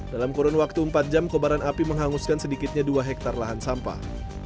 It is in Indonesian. dalam kurun waktu empat jam kobaran api menghanguskan sedikitnya dua hektare lahan sampah